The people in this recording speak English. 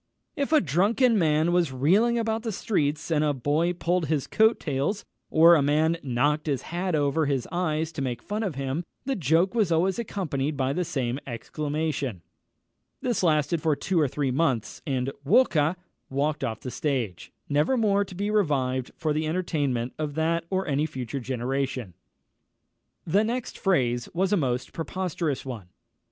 _" If a drunken man was reeling about the streets, and a boy pulled his coat tails, or a man knocked his hat over his eyes to make fun of him, the joke was always accompanied by the same exclamation. This lasted for two or three months, and "Walker!" walked off the stage, never more to be revived for the entertainment of that or any future generation. The next phrase was a most preposterous one.